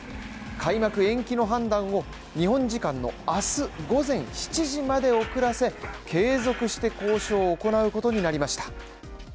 開幕延期の判断を日本時間の明日午前７時まで遅らせ、継続して交渉を行うことになりました。